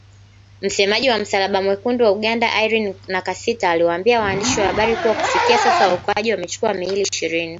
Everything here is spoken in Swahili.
Msemaji wa Msalaba Mwekundu wa Uganda Irene Nakasita aliwaambia waandishi wa habari kuwa kufikia sasa waokoaji wamechukua miili ishirini.